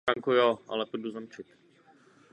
Porost lze využívat až čtyři užitkové roky.